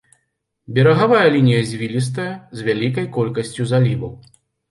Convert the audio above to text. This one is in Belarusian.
Берагавая лінія звілістая з вялікай колькасцю заліваў.